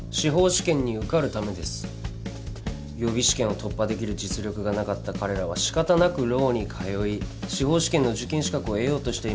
予備試験を突破できる実力がなかった彼らは仕方なくローに通い司法試験の受験資格を得ようとしています。